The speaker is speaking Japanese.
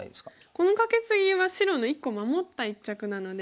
このカケツギは白の１個守った一着なので。